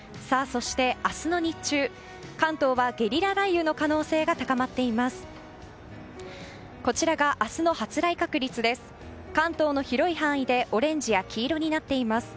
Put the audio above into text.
そして、明日の日中関東はゲリラ雷雨の可能性が高まっています。